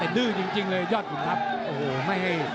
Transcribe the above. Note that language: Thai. ไล่นื่อยจริงใจเลย